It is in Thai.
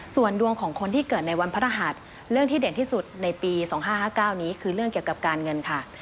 ส่วนดวงของคนที่เกิดในวันพระรหัสเรื่องที่เด่นที่สุดในปี๒๕๕๙นี้คือเรื่องเกี่ยวกับการเงินค่ะ